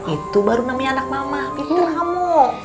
itu baru namanya anak mama pinter kamu